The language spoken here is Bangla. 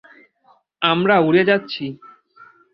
আমরা উড়ে যাচ্ছি!